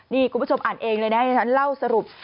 นี่คุณผู้ชมอ่านเองเลยเล่าสรุป